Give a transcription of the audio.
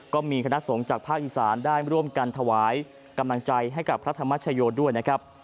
ก็มีคณะสงฆ์จากภาคอีสานได้ร่วมกันถวายกำลังใจให้กับพระธรรมชโยด้วยนะครับ